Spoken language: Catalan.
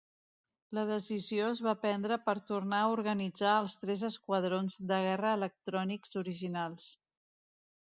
La decisió es va prendre per tornar a organitzar els tres esquadrons de guerra electrònics originals.